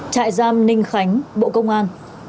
trại giam ninh khánh bộ công an